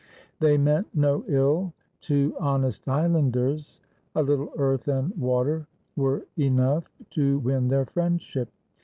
They meant no ill to honest islanders; a Httle earth and water were enough to win their friendship.